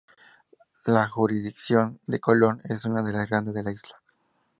La jurisdicción de Colón es una de las grandes de la isla.